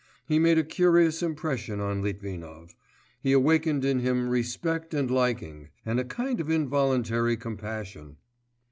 He made a curious impression on Litvinov; he awakened in him respect and liking, and a kind of involuntary compassion.